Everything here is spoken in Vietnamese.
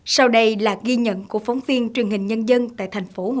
sau đây là ghi nhận của phóng viên truyền hình nhân dân